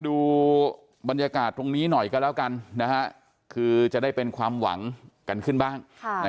ดูบรรยากาศตรงนี้หน่อยก็แล้วกันคือจะได้เป็นความหวังกันขึ้นบ้าง